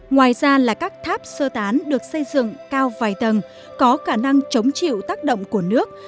ngoài ra là các tháp sơ tán được xây dựng cao vài tầng có khả năng chống chịu tác động của nước